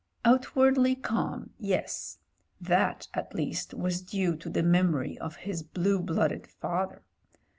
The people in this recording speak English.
Outwardly calm — ^yes : that at least was due to the memory of his blue blooded father.